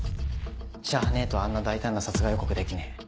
じゃねえとあんな大胆な殺害予告できねえ。